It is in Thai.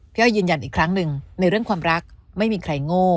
อ้อยยืนยันอีกครั้งหนึ่งในเรื่องความรักไม่มีใครโง่